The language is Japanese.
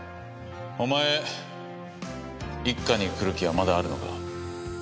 お前一課に来る気はまだあるのか？